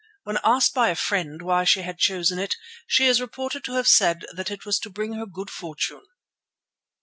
When asked by a friend why she had chosen it, she is reported to have said that it was to bring her good fortune."